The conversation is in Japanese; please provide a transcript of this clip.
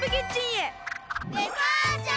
デパーチャー！